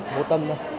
vô tâm đâu